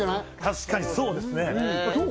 確かにそうですねどう？